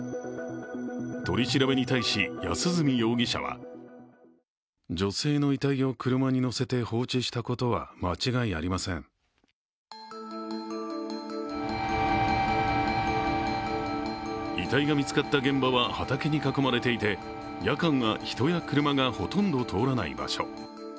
取り調べに対し、安栖容疑者は遺体が見つかった現場は畑に囲まれていて夜間は人や車がほとんど通らない場所。